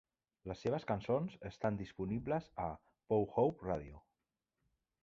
Les seves cançons estan disponibles a Pow Wow Radio.